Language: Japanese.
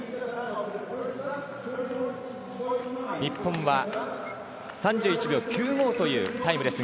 日本は３１秒９５というタイム。